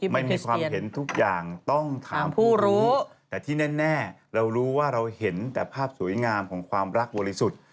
ไม่มีความเห็นทุกอย่างต้องถามผู้รู้แต่ที่แน่เรารู้ว่าเราเห็นแต่ภาพสวยงามของความรักบริสุทธิ์